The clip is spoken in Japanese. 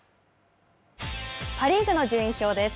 パ・リーグの順位表です。